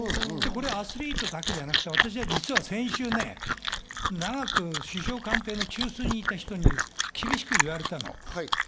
アスリートだけじゃなくて、私は実は先週、長く首相官邸の中枢にいた人に厳しく言われたの。